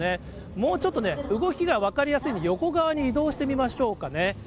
もうちょっとね、動きが分かりやすい横側に移動してみましょうかね。